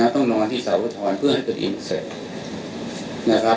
ต้องนอนที่สาวทรเพื่อให้คดีเสร็จ